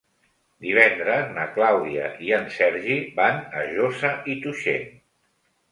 Divendres na Clàudia i en Sergi van a Josa i Tuixén.